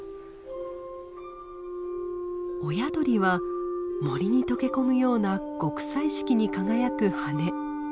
親鳥は森に溶け込むような極彩色に輝く羽。